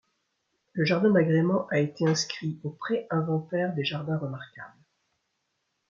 Le jardin d'agrément a été inscrit au pré-inventaire des jardins remarquables.